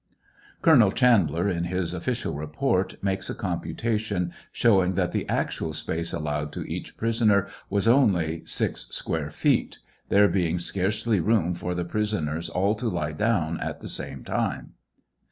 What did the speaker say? Colonel Chandler, in his official report, makes a computation, showing that the actual space allowed to each prisoner was only six square feet, there being scarcely room for the prisoners all to lie down at the same time.